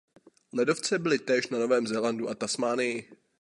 Ledovce byly též na Novém Zélandu i Tasmánii.